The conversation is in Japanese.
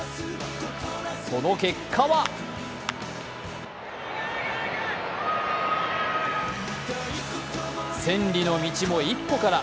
その結果は千里の道も一歩から。